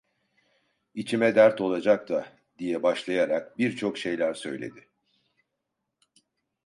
"İçime dert olacak da…" diye başlayarak birçok şeyler söyledi.